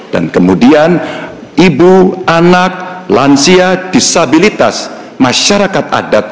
dan kemudian ibu anak lansia disabilitas masyarakat adat